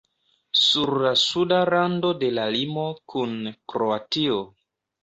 Sur la suda rando de la limo kun Kroatio.